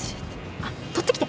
あっ取ってきて。